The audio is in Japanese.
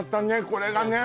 これがね